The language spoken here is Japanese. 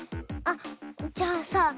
あっじゃあさ